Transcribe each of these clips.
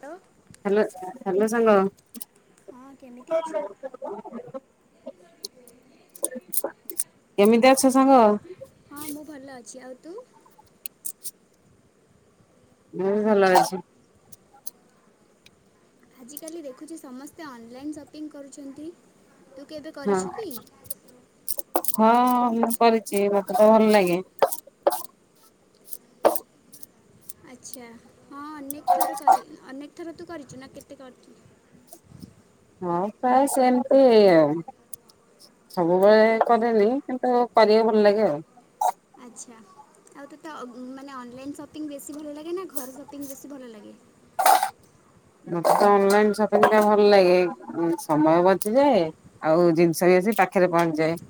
Hello hello hello ସାଙ୍ଗ। ହଁ କେମିତି ଅଛୁ? କେମିତି ଅଛ ସାଙ୍ଗ? ହଁ ମୁଁ ଭଲ ଅଛି ଆଉ ତୁ ମୁଁ ଭଲ ଅଛି। ଆଜ କାଲି ଦେଖୁଛି ସମସ୍ତେ ଅନଲାଇନ୍ ସପିଂ କରୁଛନ୍ତି। ତୁ କେବେ କରିଛୁ କି? ହଁ ହଁ ମୁଁ କରିଛି ମତେ ତ ଭଲ ଲାଗେ। ଆଚ୍ଛା ହଁ ଅନେକ ଥର କରି ଅନେକ ଥରେ ତୁ କରିଛୁ ନା କେତେ କରିଛୁ? ହଁ ପ୍ରାୟ ସେମିତି ଆଉ ସବୁବେଳେ କରେନି କିନ୍ତୁ କରିଲେ ଭଲ ଲାଗେ ଆଉ ଆଚ୍ଛା ଆଉ ତୋତେ ମାନେ ଅନଲାଇନ୍ ସପିଙ୍ଗ୍ ବେଶୀ ଭଲ ଲାଗେ ନା ଘର ସପିଙ୍ଗ୍ ବେଶୀ ଭଲ ଲାଗେ? [inaudible] ମତେ ତ ଅନଲାଇନ୍ ସପିଙ୍ଗ ଟା ଭଲ ଲାଗେ ସମୟ ବଞ୍ଚିଯାଏ ଆଉ ଜି [unintelligible] ଆସି ପାଖରେ ପହଞ୍ଚିଯାଏ।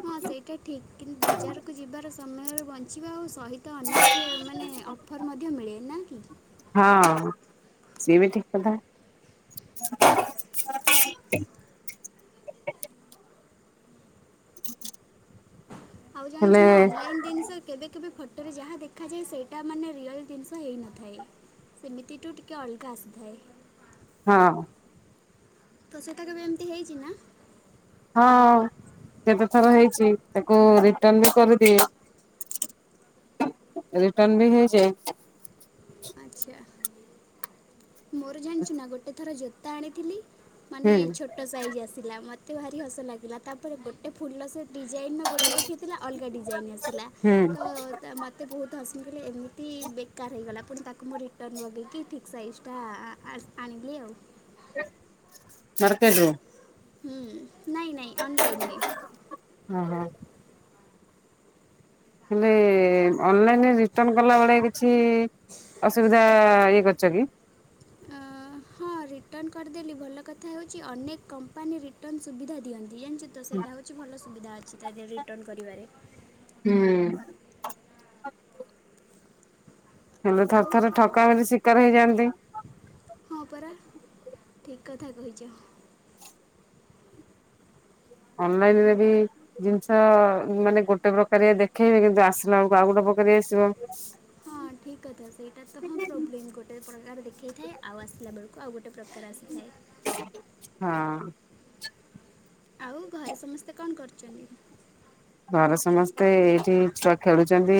ହଁ ସେଇଟା ଠିକ୍ ବଜାରକୁ ଯିବାର ସମୟରେ ବଞ୍ଚିବା ଆଉ ସହିତ ଅନେକ ମାନେ ଅଫର୍ ମଧ୍ୟ ମିଳେ ନା କି? ହଁ ସିଏ ବି ଠିକ୍ କଥା। [inaudible] [inaudible] ଆଉ ହେଲେ ଜାଣିଛୁ ନା ଅନଲାଇନ୍ ଜିନିଷ କେବେ କେବେ ଫଟୋ ରେ ଯାହା ଦେଖାଯାଏ ସେଇଟା ମାନେ ରିଅଲ ଜିନିଷ ହୋଇନଥାଏ। ସେମିତିଠୁ ଟିକଏ ଅଲଗା ଆସିଥାଏ। ହଁ। ତ ସେଟା କେଭେ ଏମିତି ହେଇଛି ନା? ହଁ ହଁ କେତେ ଥର ହେଇଛି ତାକୁ ରିଟର୍ନ ବି କରିଦିଏ। [inaudible] ରିଟର୍ନ ବି ହେଇଯାଏ। ଆଚ୍ଛା ମୋର ଜାଣିଛୁ ନା ଗୋଟେ ଥର ଜୋତା ଆଣିଥିଲି। ମାନେ ହୁଁ। ଛୋଟ ସାଇଜି ଆସିଲା ମତେ ଭାରି ହସ ଲାଗିଲା ତାପରେ ଗୋଟେ ଫୁଲ ସେ ଡିଜାଇନ୍ ଗୋଟେ ଦେଖାଇଥିଲା ଅଲଗା ଡିଜାଇନ୍ ଆସିଲା ହୁଁ ତ ମୋତେ ବହୁତ୍ ହସିଲେ ଏମିତି ବେକାର ହେଇଗଲା ପୁଣି ତାକୁ ମୁଁ ରିଟର୍ନ ବଗେଇକି ଠିକ୍ ସାଇଜି ଟା ଆଣି ଆଣିଲିି ଆଉ - ମାର୍କେଟରୁ। ହୁଁ ନାଇଁ ନାଇଁ ଅନଲାଇନରେ ହଁ ହଁ ହେଲେ ଅନଲାଇନ ରେ ରିଟର୍ନ କଲା ବଳେ କିଛି ଅସୁବିଧା ଇଏ କରିଛ କି? ଆ ହଁ ରିଟର୍ନ କରିଦେଲି ଭଲ କଥା ହେଉଛି ଅନେକ କମ୍ପାନୀ ରିଟର୍ନ ସୁବିଧା ଦିଅନ୍ତି। ଜାଣିଛ ତ ସେଇଟା ହେଉଛି ଭଲ ସୁବିଧା ଅଛି ତା ଦେହରେ ରିଟର୍ନ କରିବାରେ। ହୁଁ। ହେଲେ ଥରେ ଆଉ ଥରେ ଠକାମିର ଶିକାର ହେଇଯାଆନ୍ତି। ହଁ ପରା ଠିକ୍ କଥା କହିଛ। ଅନଲାଇନରେ ବି ଜିନିଷ ମାନେ ଗୋଟେ ପ୍ରକାର ଦେଖେଇବେ କିନ୍ତୁ ଆସିଲା ବେଳକୁ ଆଉ ଗୋଟେ ପ୍ର ପ୍ରକାର ଆସିବ। ହଁ ଠିକ୍ କଥା ସେଇଟା ତ ହଁ ପ୍ରୋବ୍ଲେମ୍ ଗୋଟେ ପ୍ରକାର ଦେଖେଇଥାଏ ଆଉ ଆସିଲା ବେଳକୁ ଆଉ ଗୋଟେ ପ୍ରକାର ଆସିଥାଏ। ହଁ ଆଉ ଘରେ ସମସ୍ତେ କଣ କରୁଛନ୍ତି? ଘର ସମସ୍ତେ ଏଇଠି ଛୁଆ ଖେଳୁଛନ୍ତି।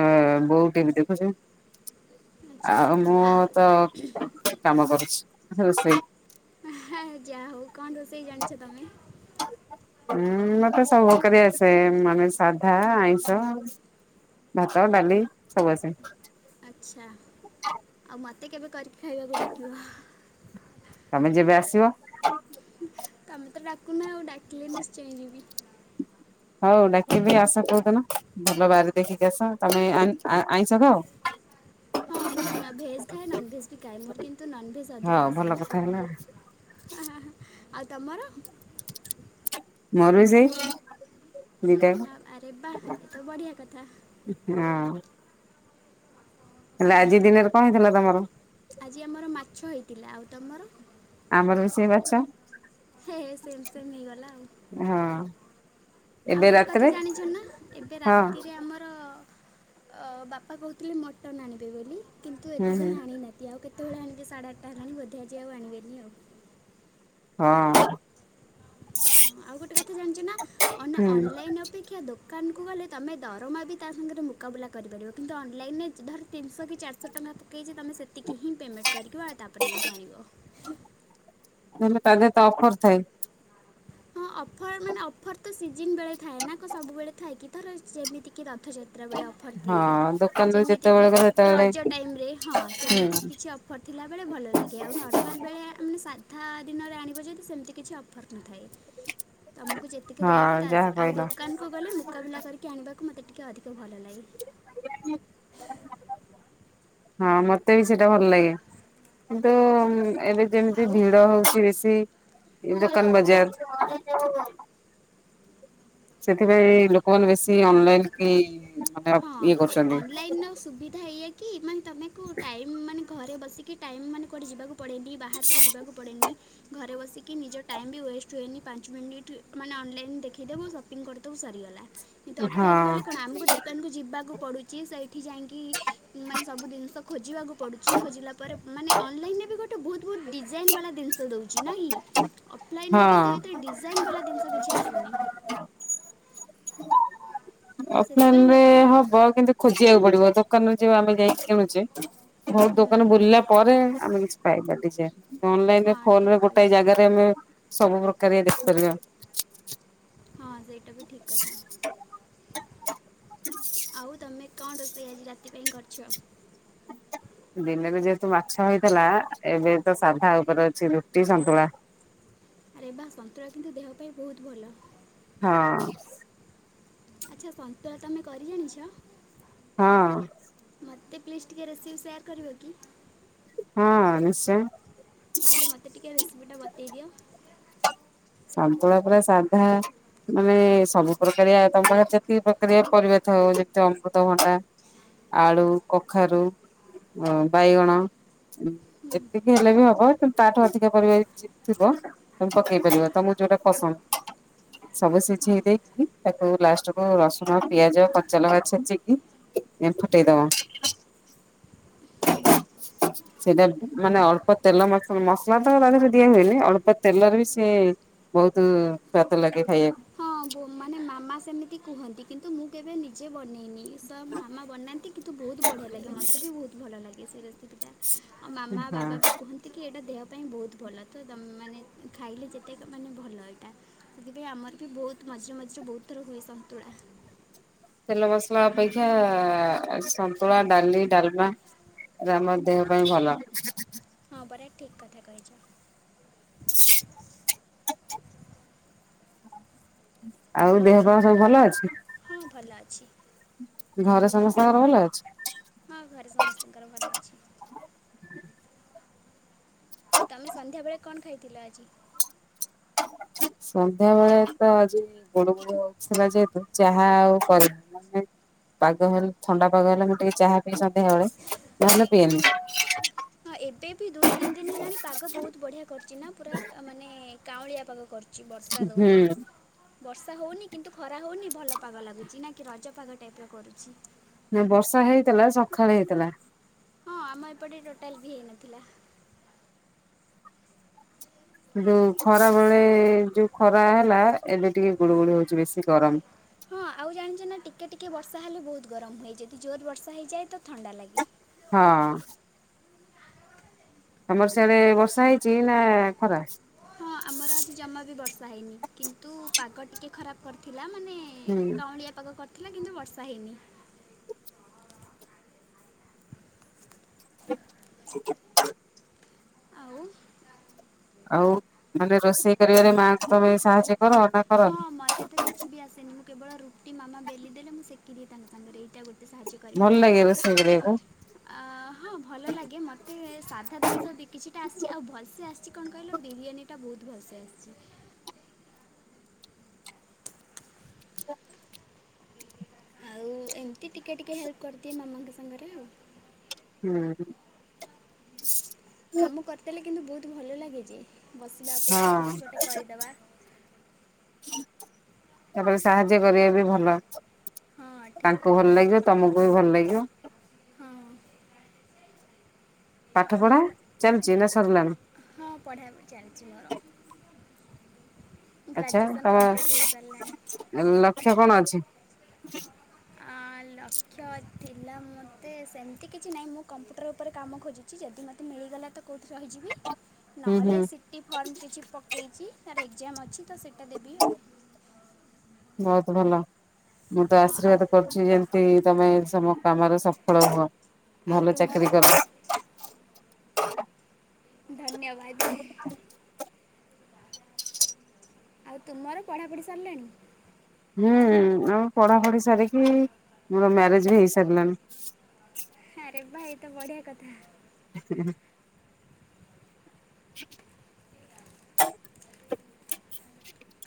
ଆଁ ବୋଉ ଟିଭି ଦେଖୁଛି। ଆଚ୍ଛା ଆଉ ମୁଁ ତ କାମ କରୁଛି ରୋଷେଇ। [unintelligible] ଯାହା ହଉ କଣ ରୋଷେଇ ଜାଣିଛ ତମେ? ଉୁଁ ମତେ ସବୁ କରି ଆସେ ମାନେ ସାଧା ଆଇଁଷ। ଭାତ ଡ଼ାଲି ସବୁଆସେ। ଆଚ୍ଛା ଆଉ ମତେ କେବେ କରିକି ଖାଇବାକୁ ଡାକିବ। ତମେ ଯେବେ [unintelligible] ତମେ ତ ଡାକୁନ ଆଉ ଡାକିଲେ ନିଶ୍ଚୟ ଯିବି। ହଉ ଡାକିବି ଆସ କୋଉଦିନ ଭଲ ବାର ଦେଖିକି ଆସ ତମେ ଆଇଁ ଆଇଁଷ ଖା‌ଅ? [unintelligible] ହଁ ମୁଁ ଅନା ଭେଜ୍ ଖାଏ ନନ୍ଭେଜ୍ ବି ଖାଏ ମୋର କିନ୍ତୁ ନନ୍ଭେଜ୍ ଅଧିକ ହଉ ଭଲ କଥା ପସନ୍ଦ। ହେଲା ହ ହ ହ ଆଉ ତମର? ମୋର ବି ସେଇ। ଆ- ଆରେ ବା ଏ ତ ବଢ଼ିଆ କଥା [unintelligible] ହଁ। ହେଲେ ଆଜି ଦିନରେ କଣ ହେଇଥିଲା ତମର। ଆଜି ଆମର ମାଛ ହେଇଥିଲା ଆଉ ତମର? ଆମର ବି ସେଇ ମାଛ ହେ ହେ ସେମ ସେମ ହେଇଗଲା ଆଉ। ହଁ ଆଉ ଏବେ ଗୋଟେ କଥା ରାତିରେ ଜାଣିଛ ନା ଏବେ ହଁ ରାତିରେ ଆମର ଅ ବାପା କହୁଥିଲେ ମଟନ ଆଣିବେ ବୋଲି କିନ୍ତୁ ହୁଁ ଏତେ ହୁଁ ଯାଇ ଆଣିନାହାନ୍ତି ଆଉ କେତେ ତେ ବେଳେ ଆଣିବେ ସାଢ଼େ ଆଠ ହେଲାଣି ବୋଧେ ଆଜି ଆଉ ଆଣିବେନି ଆଉ। ହଁ। ଆଉ ଗୋଟେ କଥା ଜାଣିଛ ନା ଅନା ହୁଁ ଅନଲାଇନ ଅପେକ୍ଷା ଦୋକ କାନକୁ ଗଲେ ତମେ ଦରମା ବି ତା ସାଙ୍ଗରେ ମୁକାବିଲା କରିପାରିବ କିନ୍ତୁ ଅନଲାଇନ ରେ ଧର ତିନିଶହ କି ଚାରିଶହ ଟଙ୍କା କି ପକେଇଛି ତମେ ସେତିକି ହି ପେମେଣ୍ଟ କରିବ ଆଉ ତାପରେ ନେଇକି ଆଣିବ। ହେଲେ ତା ଦେହ ତ ଅଫର ଥାଏ। ହଁ ଅଫର ମାନେ ଅଫର ତ ସିଜନ ବେଳେ ଥାଏ ନା କ ସବୁବେଳେ ଥାଏ କି ଧର ଯେମିତି କି ର ରଥଯାତ୍ରା ବେଳେ ଅଫର୍ ହଁ ଦିଏ ଦୋକାନରୁ ଯେତେବେଳେ ଯେମିତିକି ଗଲେ ସେତେବେଳେ ରଜ ଟାଇମରେ ହଁ ସେମିତି ହୁଁ କିଛି ଅଫ ପଢ଼ଥିଲା ବେଳେ ଭଲ ଲାଗେ ଆଉ ନର୍ମାଲ ବେଳେ ଆମେ ସା ଧା ଦିନରେ ଆଣିବ ଯଦି ସେମିତି କିଛି ଅଫର୍ ନଥାଏ। ତମକୁ ଯେତିକି ରେଟ ହଁ ଯାହା ଆସି ଆଉ କହିଲ ଦୋକାନକୁୁ ଗଲେ ମୁକାବଲା କରିକି ଆଣିବାକୁ ମତେ ଟିକେ ଅଧିକ ତ ଭଲ ଲାଗେ ହଁ ମତେ ବି ସେଇଟା ଭଲ ଲାଗେ କିନ୍ତୁ। ଏବେ ଯେମିତି ଆଉ ଭିଡ ହଉଛି ବେଶୀ। ଏ ଦୋକାନ ବଜାର। ସେଥିପାଇଁ ଲୋକମାନେ ବେଶୀ ଅନଲାଇନ କି। ମାନେ ଇଏ ହଁ କରୁଛନ୍ତି। ଅନଲାଇନ ର ସୁବିଧା ଏୟା କି ଏମାନେ ତମକୁ ଟାଇମ ମାନେ। ଘରେ ବସିକି ଟାଇମ୍ ମାନେ କୁଆଠେ ଯିବାକୁ ପଡ଼େନି ବାହାରକୁ ଯିବାକୁ ପଡ଼େନି। ଘରେ ବସିକି ନିଜ ଟାଇମ୍ ବି ୱେଷ୍ଟ ହୁଏନି ପାଞ୍ଚ ମିନିଟ୍ ମାନେ ଅନଲାଇନ୍ ଦେଖାଇଦେବୁ ସପିଙ୍ଗ କରିଦେବୁ। ସରିଗଲା। ହଁ। ଏମତି ଯିବାକୁ ପଡ଼ୁଛି ସେଇଠି ଯାଇକି ମାନେ ସବୁ ଜିନିଷ ଖୋଜିବାକୁ ପଡ଼ୁଛି ଖୋଜିଲା ପରେ। ମାନେ ଅନଲାଇନ ରେ ବି ଗୋଟେ ବହୁ ବହୁତ ଡିଜାଇନ ବାଲା ଜିନିଷ। [unintelligible] ଅଫଲାଇନ ହଁ ରେ କିନ୍ତୁ ଏତେ ଡିଜାଇନ୍ ବାଲା ଜିନିଷ କିଛି ଆସୁନି। [inaudible] ଅଫଲାଇନ ସେଥିପାଇଁ ରେ ଲୋକ ହବ କିନ୍ତୁ ଖୋଜିବାକୁ ପଡିବ ତ। ଦୋକାନ ଯ ଆମେ ଯାଇକି କିଣୁଛେ ବହୁତ ହୁଁ, ଦୋକାନ ବୁଲିଲା ପରେ। ଆମେ କିଛି ପାଇବା। [unintelligible] ହଁ ଫୋଲରେ ଠିକ୍ ଗୋଟାଏ କହିଚ। ଜାଗାରେ ଆମେ ସବୁ ପ୍ରକାର ଦେଖିପାରିବା। ହଁ ସେଇଟା ବି ଠିକ କଥା ଆଉ ତମେ। କଣ ରୋଷେଇ ଆଜି ରାତି ପାଇଁ କରିଛ। ଦିନରେ ଯେହେତୁ ମାଛ ହେଇଥେଲା ଏବେ ତ ସାଧା ଉପରେ ଅଛି ରୁଟି ସନ୍ତୁଳା। ଆରେ ବା ସନ୍ତଳା କିନ୍ତୁ ଦେହ ପାଇଁ ବହୁତ ଭଲ। ହଁ। ଆଚ୍ଛା ସନ୍ତୁଳା ତମେ କରି ଜାଣିଛ। ହଁ। ମୋତେ ପ୍ଲିଜ୍ ଟିକେ ରେସିପି ସେୟାର୍ କରିବ କି। ହଁ ନିଶ୍ଚୟ। ତାହେଲେ ମତେ ଟିକେ ରେସିପି ଟା ବତେଇ ଦିଅ। ସନ୍ତୁଳା ପୁରା ସାଧା ମାନେ ସବୁ ପ୍ରକାରିଆ ତମ ପା ଯେତି ପ୍ରକାରିଆ ପରିବା ଥାଉ ଯେତେ ଅମୃତଭଣ୍ଡା ଆଳୁ କଖାରୁ ଅ ବାଇଗଣ ହଁ ଏତିକି ହେଲେ ବି ହବ କିନ୍ତୁ ତାଠୁ ଅଧିକା ପରିବା ଥିବ ତମେ ପକେଇ ପାରିବ। ତମ କୁ ଯୋଉଟା ପସନ୍ଦ। ସବୁ ସିଝେଇ ହଁ ଦେଇକି ତାକୁ ଲାଷ୍ଟ କୁ ରସୁଣ ପିଆଜ କଚା ଲକା ଛେଚିକି ଏପ ଟେ ଦବ ଆ [unintelligible] ସେଇ ମାନେ ଅଳ୍ପ ତେଲ ମସ ମସଲା ତ ତା ଦିହରେ ଦିଆ ହୁଏନି ଅଳ୍ପ ତେଲରେ ବି ସି ଏ ବହୁତ ସ୍ୱାଦ ଲାଗେ। ଖାଇବାକୁ ହଁ ବୋ ମାନେ ମାମା ସେମିତି କୁହନ୍ତି କିନ୍ତୁ ମୁଁ କେବେ ନିଜେ ବନେଇନି ଇ ସା ମାମା ବନାନ୍ତି କିନ୍ତୁ ବହୁତ ବଢ଼ିଆ ଲାଗେ ମୋତେ ବି ବହୁତ ଭଲ ଲାଗେ ସେଇ ସେଟା ଆଉ ମାମା ହଁ। ବାବା ବି କୁହନ୍ତି କି ଏଇଟା ଦେହ ପାଇଁ ବହୁତ ଭଲ ତ ତମେ ମାନେ ଖାଇଲେ ଯେତେ ମାନେ ଭଲ ଏଇଟା ସେଥିପାଇଁ ଆମର ବି ବହୁତ ମଝିରେ ମଝିରେ ବହୁତ ଥର ହୁଏ ସନ୍ତୁଳା। ତେଲ ମସଲା ଅପେକ୍ଷା ଆ ସନ୍ତୁଳା ଡାଲି ଡାଲମା। ଆମ ଦେହ ପାଇଁ ଭଲ। ହଁ ପରା ଠିକ କଥା କହିଛ। [unintelligible] ଆଉ ଦେହ ଫା ସବୁ ଭଲ ଅଛି। ହଁ ଭଲ ଅଛି ଆଉ ଘରେ ତୁମର ସମସ୍ତଙ୍କର ଭଲ ଅଛି? ହଁ ଘରେ ସମସ୍ତଙ୍କର ଭଲ ଅଛି। [unintelligible] ଆଉ ତମେ ସନ୍ଧ୍ୟା ବେଳେ କଣ ଖାଇଥିଲ ଆଜି। ସନ୍ଧ୍ୟା ବେଳେ ତ ଆଜି ଗୋଡ ଗୋଡ ଥିଲା ଯେହେତୁ ଚାହା ଆଉ କରିବ ମେ ପାଗ ହେଲେ ଥଣ୍ଡା ପାଗ ହେଲେ, ମୁଁ ଟିକେ ଚାହା ପିଇ ସନ୍ଧ୍ୟାବେଳେ ନହେଲେ ପିଏନି। ହଁ ଏବେ ବି ଦୁଇ ତିନି ଦିନ ହେଲାଣି ପାଗ ବହୁତ ବଢିଆ କରିୁଛି ନା ପୁରା ମାନେ କାଉଁଳିଆ ପାଗ କରୁ ଚି ବର୍ଷା ହୁଁ ଦଉନି ବର୍ଷା ହଉନି କିନ୍ତୁ ଖରା ହଉନି ଭଲ ପାଗ ଲାଗୁଚି ନା କି ରଜ ପାଗ ଟାଇପ୍‌ର କରୁଛି। ନା ବର୍ଷା ହେଇଥେଲା ସକାଳେ ହେଇଥେଲା। ହଁ ଆମ ଏପଟେ ଟୋଟାଲ ବି ହେଇନଥିଲା। ଯୋଉ ଖରା ବେଳେ ଏ ଯୋଉ ଖରା ହେଲା ଏବେ ଟିକେ ଗୁଳୁ ଗୁଳି ହଉଛି ବେଶୀ ଗରମ ହଁ ଆଉ ଜାଣିଛ ନା ଟିକେ ଟିକେ ବର୍ଷା ହେଲେ ବହୁତ ଗରମ ହୁଏ ଯଦି ଜୋର ବର୍ଷା ହେଇଯାଏ ତ ଥଣ୍ଡା ଲାଗେ। ହଁ। ଆମର ସେଡେ ବର୍ଷା ହେଇଛି ନା ଖରା? ହଁ ଆମର ଆଜି ଜମା ବି ବର୍ଷା ହେଇନି କିନ୍ତୁ ପାଗ ଟିକିଏ ଖରାପ କରିଥିଲା। ମାନେ ହୁଁ। କାଉଁଳିଆ ପାଗ କରିଥିଲା କିନ୍ତୁ ବର୍ଷା ହେଇନି। [unintelligible] ଆଉ ଆଉ ମାନେ ରୋଷେଇ କରିବାରେ ମାଆଙ୍କ ସାହାଯ୍ୟ କର ନା କରନି? ହଁ ମତେ ତ କିଛି ବି ଆସେନି ମୁଁ କେବଳ ରୁଟି ମାମା ବେଲି ଦେଲେ ମୁଁ ସେକିଦିଏ ତାଙ୍କ ସାଙ୍ଗରେ ଏଇଟା ଗୋ ଭଲ ଲାଗେ ରୋଷେଇ କରିବାକୁ। ଅ ହଁ ଭଲ ଲାଗେ ମତେ ସାଧା ଜିନିଷ କିଛିଟା ଆସିଛି ଆଉ ଭଲସେ ଆସିଛି କଣ କଇ ଲେ ବିରିୟାନୀ ଟା ବହୁତ ଭସେ ଆସିଛି। [inaudible] ଆଉ ଏମତି ଟିକେ ଟିକେ ହେଲ୍ପ କରିଦିଏ ମାମାଙ୍କ ସାଙ୍ଗରେ ଆଉ। ହୁଁ। କାମ କରିଦେଲେ କିନ୍ତୁ ବହୁତ ଭଲ ଲାଗେ। ଯେ, ବସିବା ଅପେକ୍ଷା ହଁ। କିଛି ଗୋଟେ କରିଦେବା ତାପରେ ସାହାଯ୍ୟ କରିବା ବି ଭଲ। ହଁ ଠିକ୍ ତାଙ୍କୁ କଥା ଭଲ ଲାଗିବ କହିଛି ତମକୁ ବି ଭଲ ଲାଗିବ। ହଁ ପାଠ ପଢା ଚାଲ ଜ ହଁ ପଢ଼ିବା ପାଇଁ ଚାଲିଛି ମୋର। ଆଛା ଗ୍ରାଜୁଏସନ୍ ତମ କମ୍ପ୍ଲିଟ୍ ହେଇସାରିଲାଣି ଲକ୍ଷ୍ୟ କଣ ଅଛି? ହଁ। ଲକ୍ଷ୍ୟ ଥିଲା ମୋତେ ସେମିତି କିଛି ନାହିଁ ମୁଁ କମ୍ପ୍ୟୁଟର ଉପରେ କାମ ଖୋଜୁଛି ଯଦି ମୋତେ ମି ଲିଗଲା ତୋ କଉଠି ରହିଯିବି। ହୁଁ ହୁଁ ନହଲେ ତ ସି ଟି ଫାର୍ମ ପକେଇଚି ତାର ଏକ୍ଜାମ ଅଛି। ସେଟା ଦେବି ଆଉ। ବହୁତ ଭଲ ମୁଁ ତ ହଁ, ଆଉ ଆଶୀର୍ବାଦ କରୁଛି ଯେମିତି ତମେ ତମ କାମରେ ସଫଳ ହୁଅ ଆଉ ଭଲ ତୁମର ଚାକିରୀ କର। ହ ଧନ୍ୟବାଦ। ଆଉ ତୁମର ପଢାପଢି ସାରିଲାଣି? ହୁଁ ଆଉ ପଢାପଢି ସାରିକି ମୋର ମ୍ୟାରେଜ ବି ହେଇ ସାରିଲାନି। ଆରେ ଭାଇ ତ ବଢିଆ କଥା।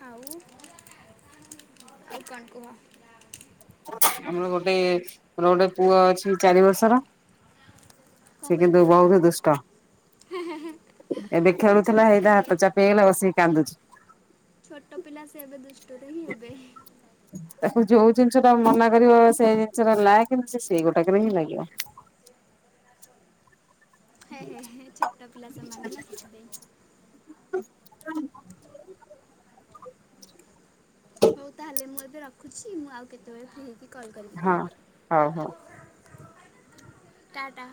ଆଉ ଆଉ କଣ କୁହ? ଆମର ଗୋଟେ ମୋର ଗୋଟେ ପୁଅ ଅଛି ଚାରି ବର୍ଷର। କ'ଣ ସେ କହିଲ କିନ୍ତୁ ବଉତ ଦୁଷ୍ଟା। ଏବେ ହଁ ଛୋଟ ଖେଳୁଥିଲା ଏଇଟା ପିଲା ହାତ ଚାପ ହେଇଗଲା ବସିକି କାନ୍ଦୁଛି। ଛୋଟ ପିଲା ସେ ଏବେ ଦୁଷ୍ଟରେ ହିଁ ହେବେ। ତାକୁ ଯୋଉ ଜିନିଷ ଟା ମନା କରିବ ସେଇ ଜିନିଷଟା ଲା କେମିତି ସେଇ ଗୋଟାକରେ ହିଁ ଲାଗିବ। ହ ଛୋଟ ପିଲା ସେମାନେ ନା ସେଥିପାଇଁ ହୁଁ ହଉ ତାହେଲେ ମୁଁ ଏବେ ରଖୁଛି ମୁଁ ଆଉ କେତେବେଳେ ପି ହେଇକି କଲ୍ କରିବି ହଁ ତୁମକୁ ହଉ ହଉ ଟାଟା